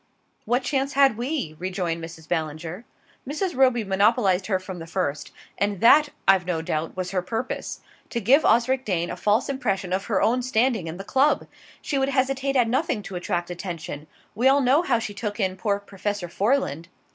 "What chance had we?" rejoined Mrs. Ballinger. "Mrs. Roby monopolised her from the first. And that, I've no doubt, was her purpose to give Osric Dane a false impression of her own standing in the club. She would hesitate at nothing to attract attention: we all know how she took in poor Professor Foreland."